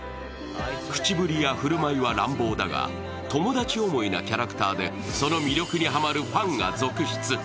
口ぶりや振る舞いは乱暴だが友達思いなキャラクターでその魅力にハマるファンが続出。